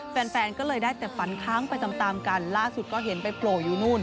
แฟนแฟนก็เลยได้แต่ฝันค้างไปตามตามกันล่าสุดก็เห็นไปโผล่อยู่นู่น